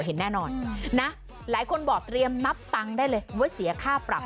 เฮ้ยแบบนี่ก็ได้หรอ